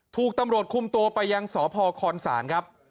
ถูกตำรวจคุมตัวไปยังสพคศครับ